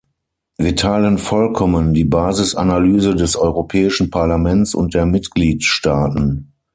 Wir teilen vollkommen die Basisanalyse des Europäischen Parlaments und der Mitgliedstaaten.